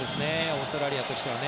オーストラリアとしては。